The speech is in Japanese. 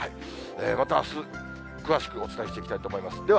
またあす、詳しくお伝えしていきたいと思います。